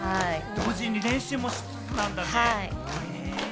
同時に練習もしつつなんだね。